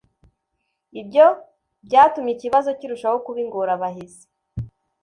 Ibyo byatumye ikibazo kirushaho kuba ingorabahizi.